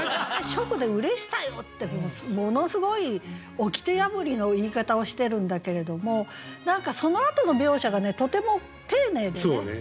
初句で「嬉しさよ」ってものすごいおきて破りの言い方をしてるんだけれども何かそのあとの描写がとても丁寧でね。